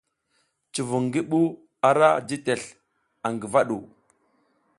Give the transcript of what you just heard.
Cuvung ngi ɓuh ara ji tesl aƞ ngəva ɗu.